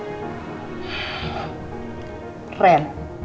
mbak jen itu beneran